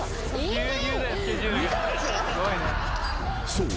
［そう。